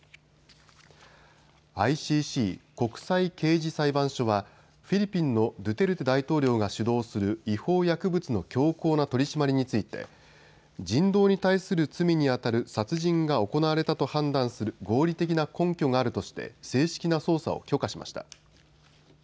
ＩＣＣ・国際刑事裁判所はフィリピンのドゥテルテ大統領が主導する違法薬物の強硬な取締りについて、人道に対する罪にあたる殺人が行われたと判断する合理的な根拠があるとして正式な捜査を強化しました。